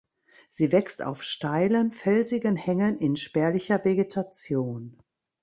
Sie wächst auf steilen, felsigen Hängen in spärlicher Vegetation.